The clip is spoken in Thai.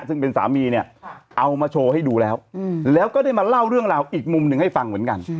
ซึ่งเป็นสามีเนี่ยเอามาโชว์ให้ดูแล้วแล้วก็ได้มาเล่าเรื่องราวอีกมุมหนึ่งให้ฟังเหมือนกัน